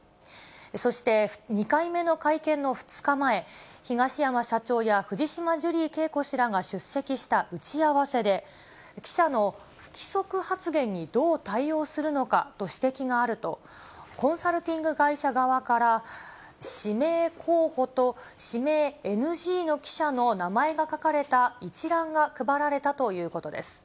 そして２回目の会見の２日前、東山社長や藤島ジュリー景子氏らが出席した打ち合わせで、記者の不規則発言にどう対応するのかと指摘があると、コンサルティング会社側から、指名候補と指名ＮＧの記者の名前が書かれた一覧が配られたということです。